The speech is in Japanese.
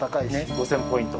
５０００ポイント。